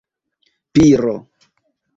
piro